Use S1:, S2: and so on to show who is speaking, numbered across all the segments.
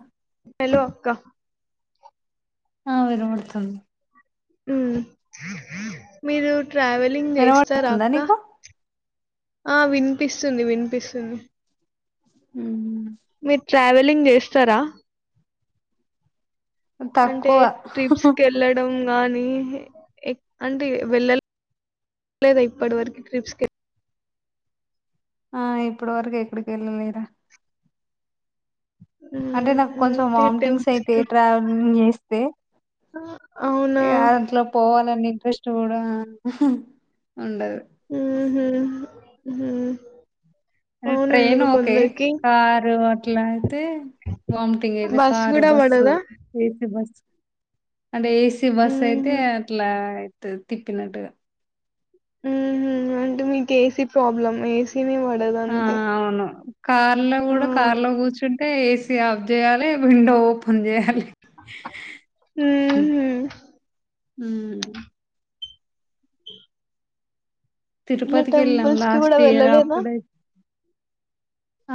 S1: అ
S2: hello అక్క
S1: ఆ వినబడుతుంది
S2: ఉ మీరు ట్రావెలింగ్ చేస్తారా
S1: వినబడుతుందా
S2: అక్క
S1: నీకు
S2: ఆ వినిపిస్తుంది వినిపిస్తుంది
S1: ఊ
S2: మీరు ట్రావెలింగ్ చేస్తారా అంటే
S1: తక్కువ
S2: ట్రిప్స్ కి వెళ్ళడం గానీ అంటే వెళ్ళ లేదా ఇప్పటి వరకు ట్రిప్స్కి
S1: ఆ ఇప్పడు వరకు ఎక్కడికి వెళ్ళలేరా అంటే
S2: ఉమ్,
S1: నాకు కొంచెం
S2: అంటే
S1: వామిటింగ్స్
S2: టెంపుల్స్
S1: అయితే ట్రావెలింగ్ చేస్తే
S2: ఆ
S1: ఇగ అ దాంట్లో పోవాలని ఇంట్రెస్ట్ కూడా ఉండదు
S2: ఊహు ఉహు
S1: అ
S2: అవును
S1: ట్రైన్
S2: ఎందుకు
S1: ఓకే
S2: కొందరికి
S1: కారు అట్లా అయితే వమిటింగ్ ఇది
S2: బస్సు
S1: కారు
S2: కూడా
S1: బస్సు
S2: పడదా
S1: ఏసీ బస్ అంటే ఏసీ బస్ అయితే
S2: ఉహు
S1: అట్లా ఐతది తిప్పినట్టుగా
S2: ఉహు అంటే మీకు ఏసీ ప్రాబ్లం ఏసీనే పడదు
S1: ఆ!
S2: అంతే
S1: అవును కార్ లో కూడా కార్ లో కూర్చుంటే ఏసి ఆఫ్ చేయాలి విండో ఓపెన్ చేయాలి
S2: ఊహూ
S1: ఊ
S2: [unintelligible] ఇట్లా
S1: తిరుపతికి వెళ్ళాం
S2: టెంపుల్స్ కి కూడా
S1: లాస్ట్ ఇయర్
S2: వెళ్ళలేదా
S1: అప్పుడే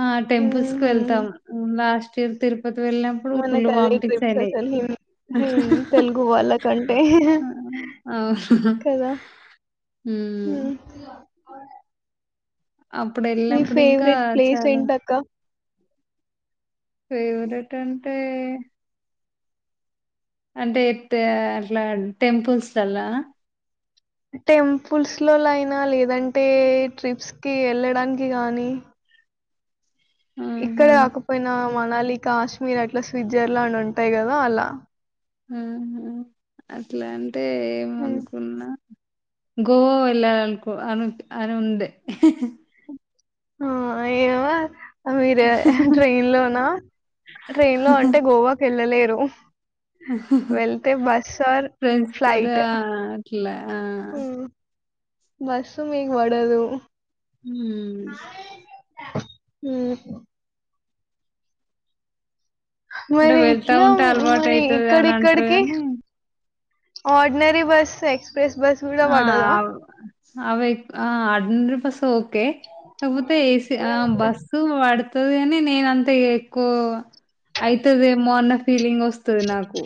S1: ఆ టెంపుల్స్ కి
S2: ఊహూ
S1: వెళ్తాం లాస్ట్ ఇయర్ తిరుపతికి వెళ్ళినాం
S2: మన కది ట్రిప్స్ అసలు హిన్ మీ తెలుగు వాళ్ళకంటే
S1: ఆ! అవును.
S2: కదా ఊ
S1: హ్మ్. అప్పుడు
S2: మీ
S1: వెళ్ళినప్పుడు ఇంకా
S2: ఫేవరెట్ ప్లేస్
S1: చాలా
S2: ఏంటక్క
S1: ఫేవరెట్ అంటే అంటే ఇట అట్లా టెంపుల్స్ లల్లా
S2: టెంపుల్స్ లో అయినా లేదంటే ట్రిప్స్ కి వెళ్ళడానికి గానీ ఇక్కడే
S1: ఆహా!
S2: కాకపోయినా మనాలి కాశ్మీర్ అట్లా స్విట్జర్లాండ్ ఉంటాయి కదా అలా
S1: ఉహు అట్లా అంటే
S2: హ్మ్
S1: ఏమనుకున్నా గోవ వెళ్ళలనుకొ అని ఉండే
S2: ఆ ఏవర్ ఆ మీరే ట్రైన్ లోనా ట్రైన్ లో అంటే గోవాకి వెళ్ళలేరు వెళ్తే బస్ర్ ఆర్
S1: ఫ్రెండ్స్ తోటి
S2: ఫ్లైట్
S1: ఆ అట్ల ఆ
S2: బస్సు మీకు పడదు
S1: ఊ
S2: ఊ
S1: అంటే
S2: మరి
S1: వెళ్తా
S2: ఎట్లా
S1: ఉంటే అలవాటు
S2: మరి
S1: అయితది అని అంటారు
S2: ఇక్కడికడికి
S1: గాని
S2: ఆర్డినరీ బస్ ఎక్స్ప్రెస్ బస్ కూడా
S1: ఆ
S2: పడదా
S1: అవే ఆ ఆర్డినరీ బస్ ఓకే కాకపోతే ఏస్ ఆ బస్సు పడుతది గానీ నేన అంతా ఎక్కువ అయితదేమో అన్న ఫీలింగ్ వస్ స్తుంది నాకు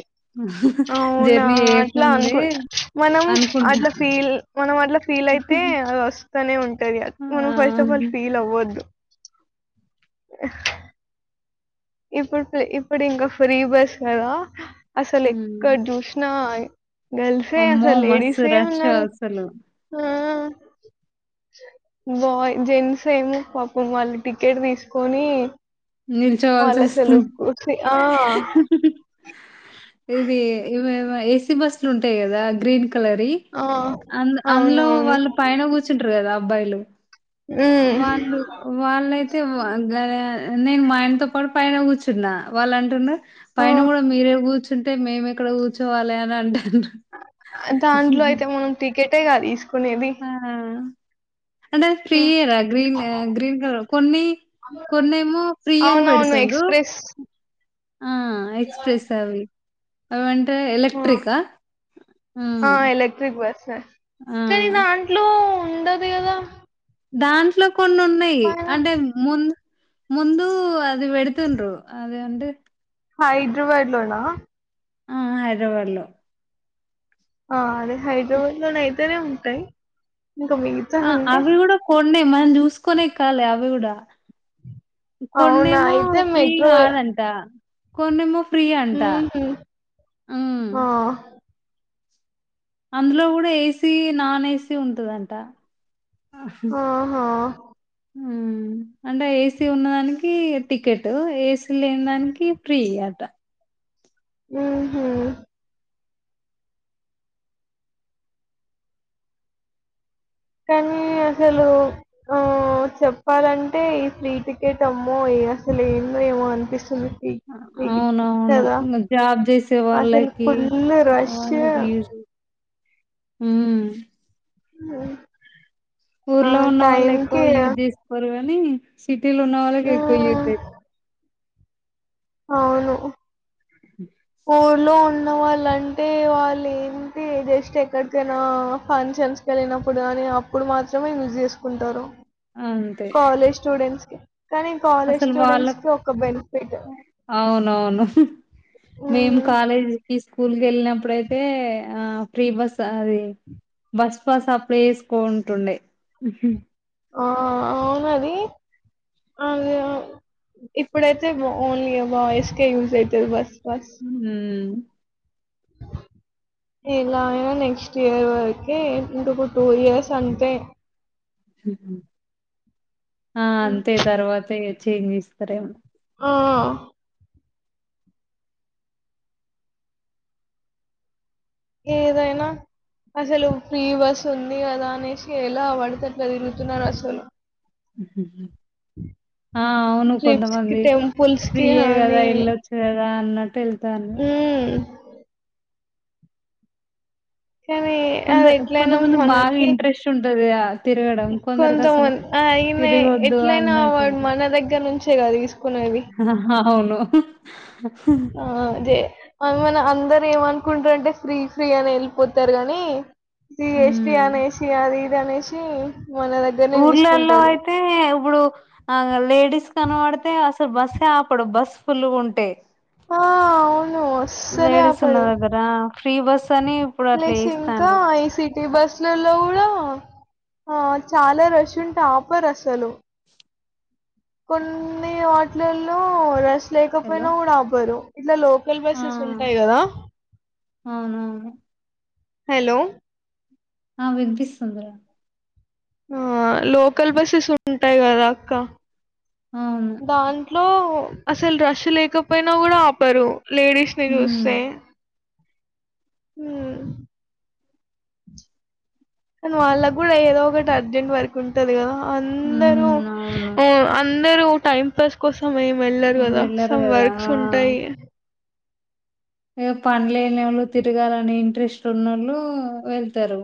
S2: అవునా
S1: జర్నీ
S2: అట్లా
S1: చేయకముందే
S2: అనుకుంటా మనం
S1: అనుకుంటా.
S2: అట్లా ఫీల్ మనం అట్లా ఫీల్ అయితే అది వస్ స్థనే ఉంటంది అది
S1: ఆ!
S2: మనం ఫస్ట్ ఆఫ్ ఆల్ ఫీల్ అవ్వద్దు ఇప్పుడు ఇప్పుడు ఇంకా ఫ్రీ బస్ కదా అసలు ఎక్కడ
S1: హ్మ్.
S2: చూసినా గర్ల్సే
S1: అమ్మో!
S2: అసలు
S1: మస్తు
S2: లేడీసే
S1: రష్
S2: ఉన్నారు
S1: అసలు.
S2: ఆ బాయ్ జెంట్స్ ఏమో పాపం వాళ్ళు టికెట్ తీసుకొని
S1: నిల్చవాల్సి
S2: వాళ్ళు అసలు
S1: వస్తుంది
S2: కుర్చీ ఆ!
S1: ఇది ఇవేవి ఏసీ బస్సులు ఉంటాయి కదా గ్రీన్ కలర్ వి
S2: ఆ!
S1: అందు అందులో
S2: అవునవును.
S1: వాళ్ళు పైన కూర్చుంటారు కదా అబ్బాయిలు
S2: హ్మ్.
S1: వాళ్ళు వాళ్ళైతే మాట్లాడలేదంటున్నారు. నేను మా ఆయనతో పాటు పైన కూర్చున్న వాళ్ళ అంటూండ్రు.
S2: ఆ!
S1: పైన కూడా మీరే కూర్చుంటే మేము ఎక్కడ కూర్చోవాలి అని అంటారు.
S2: దాంట్లో అయితే మనం టికెటే కా తీసుకునేది.
S1: ఆ అంటే
S2: ఆ!
S1: ఫ్రీయరా గ్రీన్ గ్రీన్ కలర్ కొన్ని కొన్నేమో ఫ్రీ అని
S2: అవునవును.
S1: బెడుతుండ్రు
S2: ఎక్స్‌ప్రెస్
S1: ఆ అయితే తెల్సా అవి అంటే
S2: ఆ!
S1: ఎలెక్ట్రికా మ్
S2: బిగ్ బస్ కానీ దాంట్లో ఉండదు కదా?
S1: దాంట్లో కొన్ని ఉన్నాయి అంటే ముందు ముందు అది వెడుతుండ్రు ఆది అంటే
S2: హైదరాబాద్ లోనా
S1: ఆ హైదరాబాద్ లోనే
S2: ఆ అదే హైదరాబాద్ లోన ఎక్కడ ఉంటాయి ఇంకా
S1: ఆ
S2: అంటే
S1: అవి కూడా కొన్నే మనం చూసుకోనే ఎక్కాలి అవి కూడా
S2: అవునా!
S1: కొన్నిమో
S2: అయితే
S1: ఫ్రీ
S2: మెట్రో
S1: కాలే కొన్నిమో ఫ్రీ అంట
S2: హుహు.
S1: హ్మ్
S2: ఆ!
S1: అందులో కూడా ఏంటి ఏసీ, నాన్ ఏసీ ఉంటుదంట. ఆహా
S2: [inaudible]
S1: అంటే ఏసీ ఉన్న దానికి టికెట్ ఏసీ లేని దానికి ఫ్రీ అట
S2: మ్ హు కానీ అసలు ఆ చెప్పాలంటే ఈ ఫ్రీ టికెట్ అమ్మో అసలే ఏందో ఏమో అనిపిస్తుంది. కదా
S1: అవునవును జాబ్ చేసే
S2: అసలు
S1: వాళ్ళకి
S2: ఫుల్ రష్ [inaudible]
S1: మ్
S2: మ్
S1: ఊర్లో ఉన్న వాళ్ళు ఎక్కువ యూజ్ చేస్తారు కానీ, సిటీలో ఉన్న వాళ్ళు ఎక్కువ యూజ్
S2: హ్మ్.
S1: చేయరు.
S2: అవును
S1: [inaudible]
S2: ఊర్లో ఉన్న వాళ్ళంటే వాళ్ళు ఏంటి జస్ట్ ఎక్కడికైనా ఫంక్షన్స్ వెళ్ళినప్పుడు కానీ అప్పుడు మాత్రమే యూజ్ చేసుకుంటారు.
S1: మ్
S2: కాలేజ్ స్టూడెంట్స్ కానీ కాలేజ్
S1: అసలు వాళ్ళకి
S2: స్టూడెంట్స్‌కి ఒక బెనిఫిట్.
S1: అవునవును. మేము
S2: హ్మ్.
S1: కాలేజీ కి స్కూల్ కి వెళ్ళినప్పుడుయితే ఆ ఫ్రీ బస్ అది బస్ పాస్ అప్లై చేసుకోవాల్సి ఉండే.
S2: ఆ అవునది అద ఇప్పుడైతే ఓన్లీ బాయస్ కే యూజ్ అవుతుంది బస్ పాస్.
S1: మ్
S2: [inaudible] ఎలా అయినా నెక్స్ట్ ఇయర్ వరకే, ఇంక టూ ఇయర్స్ అంతే.
S1: ఆ అంతే తర్వాతే చేంజ్ చేస్తారేమన్నా.
S2: ఆ ఏదైనా అసలు ఫ్రీ బస్ ఉంది కదా అనేసి ఎలా వడితే అట్లా తిరుగుతున్నారు అసలు ఉ
S1: ఆ! అవును.
S2: ట్రిప్స్కి
S1: కొంతమంది
S2: టెంపుల్స్కి
S1: ఫ్రీయే గదా!
S2: హనీ
S1: ఎళ్ళొచ్చు గదా! అన్నట్టు ఎళ్తాన్రు.
S2: ఉహ్ కానీ
S1: కొంద
S2: అది ఎట్లయినా
S1: కొంతమందికి బాగా
S2: మనకి
S1: ఇంట్రెస్ట్ ఉంటది ఆహ్, తిరగడం. కొందరికసలు
S2: కొంతమంన్ ఆ ఈయనే
S1: తిరగొద్దు
S2: ఎట్లయినా ఆ వాడు
S1: అన్నట్టుంటది.
S2: మన దగ్గర నుంచే గా తీసుకునేది.
S1: అవును
S2: ఆ అదే మన అందరు ఏమనుకుంట్రూ అంటే ఫ్రీ ఫ్రీ అని ఏళ్ళిపోతారు కానీ. జీ ఏస్ టీ
S1: హ్మ్.
S2: అనేసి అది ఇది అనేసి. మన దగ్గరనే
S1: ఊర్లలలో
S2: తీసుకుంటాడు
S1: అయితే ఇబ్బుడు. ఆగొ లేడీస్ కనపడితే అసలు బసే ఆపడు బసు ఫుల్ గుంటే.
S2: ఓ అవును అస్సలే
S1: లేడీస్ ఉన్న
S2: ఆప్పడు
S1: దగ్గర ఫ్రీ బస్ అని ఇప్పుడు అట్లా
S2: లేసి ఇంకా
S1: చేస్తాన్రు.
S2: ఏసి ఈ బసులలో గూడా ఆ చాలా రష్ ఉంటే ఆపర్ అసలు. కొన్ని వాట్లలో రష్
S1: హలో!
S2: లేకపోయినా కూడా ఆపరు ఇట్లా లోప వెల్ బసెస్
S1: ఆ!
S2: ఉంటాయి కదా
S1: అవునవును.
S2: హలో
S1: ఆ వినిపిస్తుందిరా
S2: ఆ లోకల్ బస్సెస్ ఉంటాయి కదా అక్క
S1: అవును
S2: దాంట్లో అసలు రష్ లేకపోయినా కూడా ఆపరు లేడీస్
S1: హ్మ్.
S2: విరుసే కానీ వాళ్ళగ్ గూడా ఏదో ఒకటి అర్జెంట్ వర్క్. కుంటది గదా అందరూ
S1: హ్మ్. అవును.
S2: ఓ అందరూ టైం పాస్ కోసం ఏం వెళ్లరు కదా
S1: వెళ్ళరు
S2: సం
S1: గదా!
S2: వర్క్స్
S1: ఆ!
S2: ఉంటాయ్.
S1: ఏ పన్ లేనోళ్ళు తిరగాలని ఇంట్రెస్ట్ ఉన్నళ్ళు వెళ్తారు.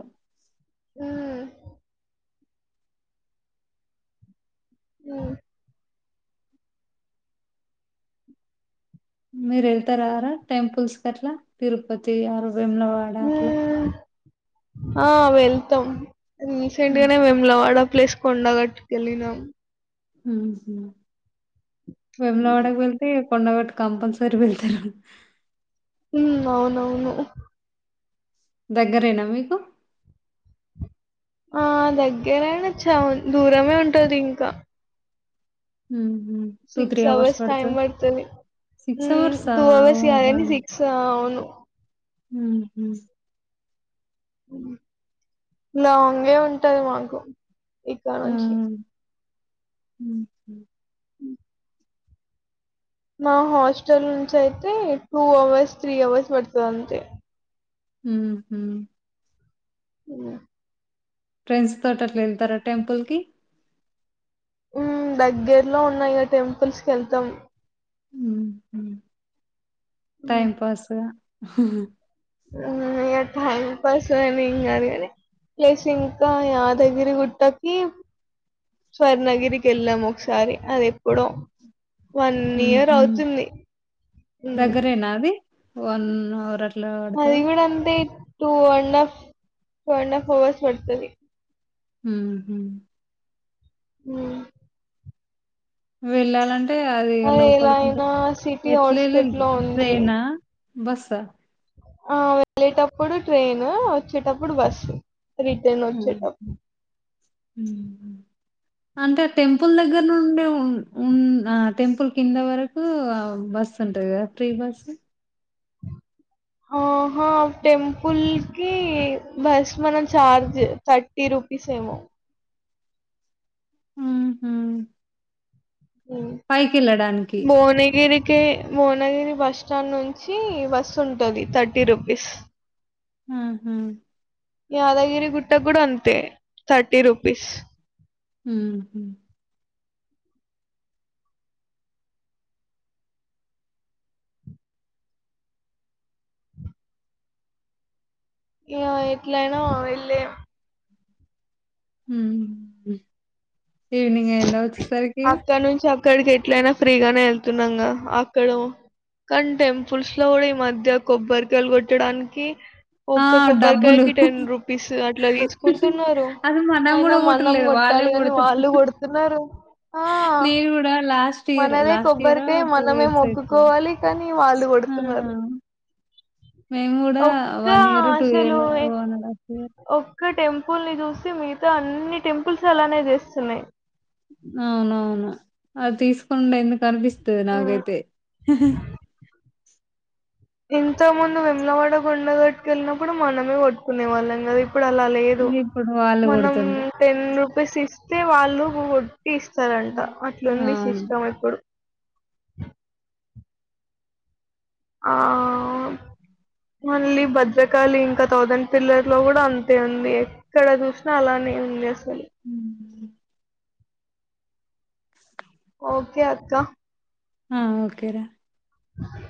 S2: ఉహ్ హుహ్
S1: మీరు ఏళ్తారారా టెంపుల్స్కి అట్లా తిరుపతి ఆర్ వేములవాడ అట్లా.
S2: ఉమ్. ఆ వెళ్తాం రీసెంట్
S1: హ్మ్.
S2: గానే వేములవాడ ప్లేస్. కొండగట్కి ఏళ్లినం.
S1: ఉహుహ్
S2: ఉమ్
S1: వేములవాడకి వెల్ కి కొండగట్ కంపల్సరి వెళ్తారు.
S2: హుమ్మ్ అవునవును
S1: దగ్గరేనా మీకు
S2: ఆ దగ్గరేడా చా దూరమే ఉంటది ఇంకా
S1: ఉహుహ్
S2: సిక్స్ అవర్స్ టైమ్ వడ్తది. ఉ
S1: అవర్సా?
S2: తువావేసి
S1: ఓహ్!
S2: అదేది సిక్స్ ఆ అవును.
S1: ఉహుహ్
S2: లాంగే ఉంటది మాకు ఇక్క
S1: ఆ!
S2: నుంచి
S1: హుహు.
S2: హు మా హాస్టల్ నుంచి అయితే టూ అవర్స్ త్రీ అవర్స్ వడుతది అంతే.
S1: ఉహుహు్
S2: అయో
S1: ఫ్రెండ్స్ తోట్ అట్లా ఏళ్తారా టెంపుల్ కి.
S2: ఉమ్మ్ దగ్గరలో ఉన్నా ఇగ టెంపుల్స్‌ కేళ్తాం
S1: మ్మ్ఉహ్మ్ టైం పాస్
S2: అ ఇగ టైం పాస్ అనేం కాదు గాని ప్లేస్ ఇంకా యాదగిరి గుట్టకి స్వర్ణ గిరికి ఎళ్ళాం ఒకసారి అది ఎప్పుడో వన్ ఇయర్
S1: ఉహు
S2: అవుతుంది ఉమ్మ్
S1: నాది వన్ అవర్ అ
S2: అది కూడా అంతే two and half two and half hours పడుతది
S1: మ్మ్ఉహ్మ్
S2: ఉమ్మ్
S1: వెళ్ళాలంటే అది
S2: ఎలా
S1: లోపలికుంటే
S2: అయినా సిటీ ఔట్స్కట్‌లో
S1: ఎట్లేల్లిండ్రు
S2: ఉంది.
S1: ట్రైనా బస్సా
S2: ఆ వెళ్ళేటప్పుడు ట్రైన్ వచ్చేటప్పుడు బస్సు రిటర్న్ వచ్చేట
S1: ఉమ్మ్ అంటే ఆ టెంపుల్ దగ్గర నుండి ఉమ్ ఆ టెంపుల్ కింద వరకు బస్సు ఉంటది కదా ఫ్రీ బస్సు
S2: ఆహా టెంపుల్‌కి బస్ మనం చార్జ్ థర్ టి రూపీస్ ఏమో
S1: మ్మ్ఉహ్మ్
S2: ఉమ్మ్
S1: పైకెళ్లడానికి
S2: భువనగిరికి భువనగిరి బస్ స్టాండ్ నుంచి బస్ ఉంటది థర్టీ రూపీస్
S1: ఆహా
S2: యాదగిరి గుట్టకి కూడా అంతే థర్టీ రుపీస్
S1: మ్మ్ఉహ్మ్
S2: ఇగ ఎట్లయినా వెళ్ళి
S1: ఉమ్మ్ ఈవినింగ్ అయిందా వచ్చే సరికి
S2: అక్కడ నుంచి అక్కడికి ఎట్లయినా ఫ్రీగానే వెళ్తున్నాంగా అక్కడ కానీ టెంపుల్స్‌లో కూడా ఈ మధ్య కొబ్బరికాయలు కొట్టడానికి
S1: ఆ!
S2: ఒక్క
S1: డబ్బులు.
S2: కొబ్బరికాయకి టెన్ రూపీస్ అట్లా తీసుకుంటున్నారు
S1: అది మనం
S2: అయిన
S1: గూడా
S2: మ నం
S1: కొట్టుడులేదు. వాళ్ళే
S2: కొట్టాలి కాని
S1: కొడతారు.
S2: వాళ్ళు కొడుతున్నారు ఆ
S1: కూడా లాస్ట్ ఇయర్
S2: మనదే
S1: లాస్ట్ ఇయరో
S2: కొబ్బరికాయ
S1: టూ
S2: మనమే
S1: ఇయర్స్ అయితుంది
S2: మొక్కుకోవాలి కానీ వాళ్ళు
S1: ఆ
S2: కొడుతున్నారు
S1: మేము కూడా
S2: ఒక్క
S1: వన్ ఇయర్ టూ ఇయర్
S2: అసలు
S1: వన్ అండ్ ఆఫ్ ఇయర్
S2: ఒక్క టెంపుల్‌ని చూసి మిగతా అన్ని టెంపుల్స్ అలానే చేస్తున్నాయ్
S1: అవునవును అది తీసుకుండు ఎందుకు అనిపిస్తది నాకైతే
S2: ఇంతకు ముందు వేములవాడ కొండగట్టుకు ఎళ్ళినప్పుడు మనమే కొట్టుకునే వాళ్ళం కదా ఇప్పుడు అలా లేదు
S1: ఇప్పుడు వాళ్ళు
S2: మనం
S1: కొడుతుండ్రు.
S2: టెన్ రూపీస్ ఇస్తే వాళ్ళు కొడ్టి ఇస్తారంట
S1: హ్మ్.
S2: అట్లుంది
S1: అవును.
S2: సిస్టమ్ ఇప్పుడు ఆ మళ్ళీ భద్రకాళి ఇంకా థౌసండ్ పిల్లర్లో కూడా అంతే ఉంది ఎక్కడ చూసినా అలానే ఉంది అసలు
S1: ఉమ్మ్
S2: ఓకే అక్కా
S1: ఆ ఓకేరా
S2: అ